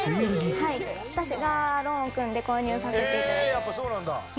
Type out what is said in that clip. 私がローンを組んで購入させていただきました。